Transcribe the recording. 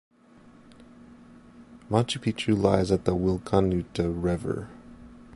Machupicchu lies at the Willkanuta River.